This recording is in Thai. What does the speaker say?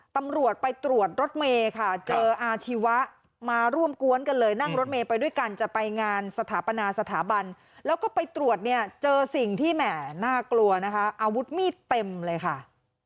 ตำรวจไปตรวจรถเมย์ค่ะเจออาชีวะมาร่วมกวนกันเลยนั่งรถเมย์ไปด้วยกันจะไปงานสถาปนาสถาบันแล้วก็ไปตรวจเนี่ยเจอสิ่งที่แหม่น่ากลัวนะคะอาวุธมีดเต็มเลยค่ะ